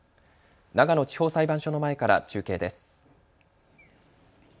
長野地方裁判所の前から中継です。